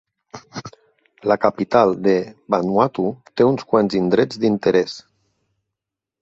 La capital de Vanuatu té uns quants indrets d'interès.